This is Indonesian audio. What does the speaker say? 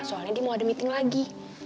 soalnya dia mau ada meeting lagi